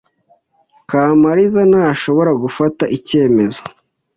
Kamariza ntashobora gufata icyemezo.